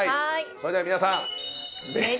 それでは皆さん。